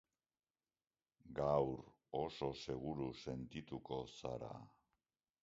Gaur oso seguru sentituko zara.